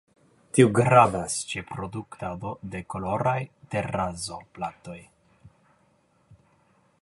Tio gravas ĉe produktado de koloraj terrazzo-platoj.